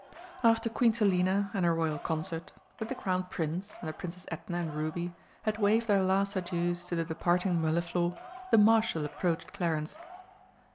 After Queen Selina and her Royal Consort, with the Crown Prince and the Princess Edna and Ruby, had waved their last adieus to the departing Mirliflor, the Marshal approached Clarence.